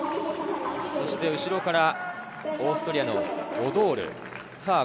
後ろからオーストリアのオドール。